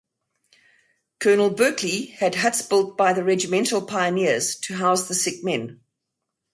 Colonel Berkeley had huts built by the regimental pioneers to house the sick men.